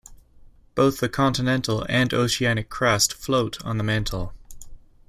Both the continental and oceanic crust "float" on the mantle.